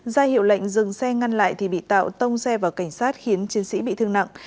ra hiệu lệnh dừng xe ngăn lại thì bị tạo tông xe vào cảnh sát khiến chiến sĩ bị thương nặng